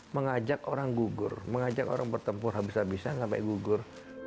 mengajak orang gugur mengajak orang bertempur habis habisan sampai gugur